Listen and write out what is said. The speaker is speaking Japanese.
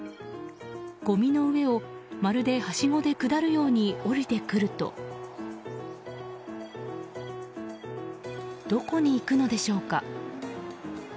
ごみの上を、まるではしごで下るように下りてくるとどこに行くのでしょうか